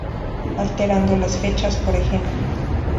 Alterando las fechas, por ejemplo.